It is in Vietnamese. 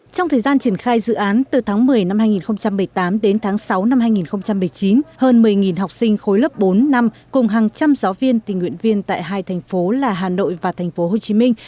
trong thời gian triển khai dự án từ tháng một mươi năm hai nghìn một mươi tám đến tháng sáu năm hai nghìn một mươi chín hơn một mươi học sinh khối lớp bốn năm cùng hàng trăm giáo viên tình nguyện viên tại hai thành phố là hà nội và thành phố hồ chí minh